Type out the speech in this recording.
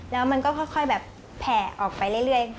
แล้วมันก็ค่อยแบบแผ่ออกไปเรื่อย